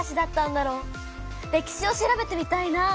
歴史を調べてみたいな。